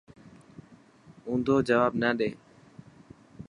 اونڌو جواب نه ڏي.